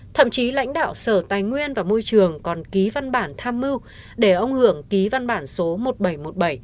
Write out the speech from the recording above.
thậm chí lãnh đạo sở tài nguyên và môi trường còn ký văn bản tham mưu để ông hưởng ký văn bản số một nghìn bảy trăm một mươi bảy